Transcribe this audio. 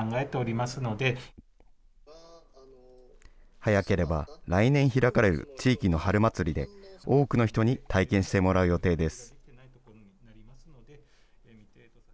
早ければ来年開かれる地域の春祭りで、多くの人に体験してもらう予定です。